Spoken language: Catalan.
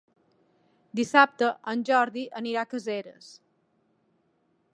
Dissabte en Jordi anirà a Caseres.